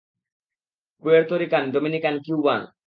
Puerto Rican, Dominican, Cuban.